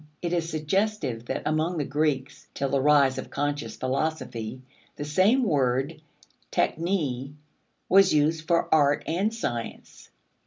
It is suggestive that among the Greeks, till the rise of conscious philosophy, the same word, techne, was used for art and science.